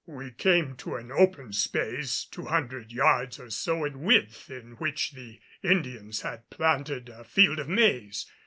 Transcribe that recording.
We came to an open space two hundred yards or so in width in which the Indians had planted a field of maize.